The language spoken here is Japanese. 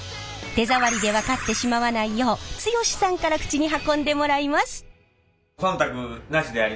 手触りで分かってしまわないよう剛さんから口に運んでもらいます。